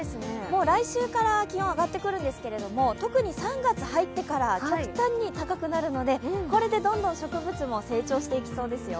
来週から気温は上がってくるんですけれども、特に３月入ってから極端に高くなるのでこれでどんどん植物も成長していきそうですよ。